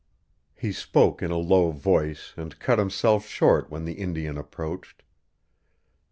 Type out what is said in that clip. He spoke in a low voice and cut himself short when the Indian approached.